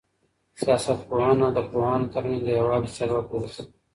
سياست پوهنه د پوهانو ترمنځ د يووالي سبب ګرځي.